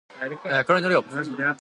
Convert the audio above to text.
車に乗るよ